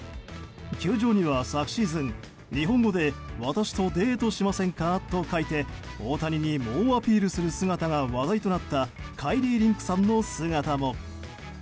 球場には昨シーズン、日本語で「私とデートしませんか」と書いて大谷に猛アピールする姿が話題となったカイリー・リンクさんの姿も。